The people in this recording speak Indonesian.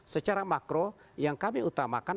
secara makro yang kami utamakan